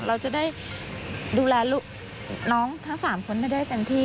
เราจะได้ดูแลลูกน้องทั้ง๓คนให้ได้เต็มที่